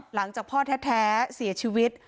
หลังจากพ่อแท้เสียชีวิต